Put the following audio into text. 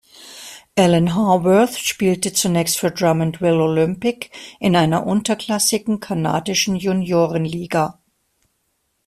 Alan Haworth spielte zunächst für "Drummondville Olympique" in einer unterklassigen kanadischen Juniorenliga.